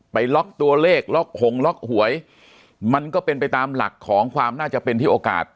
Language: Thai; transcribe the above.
ไปล็อกตัวเลขล็อกหงล็อกหวยมันก็เป็นไปตามหลักของความน่าจะเป็นที่โอกาส